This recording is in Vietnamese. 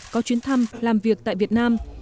có chuyến thăm làm việc tại việt nam